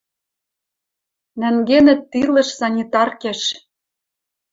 Нӓнгенӹт тилыш санитаркеш